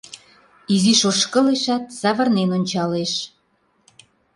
Изиш ошкылешат, савырнен ончалеш.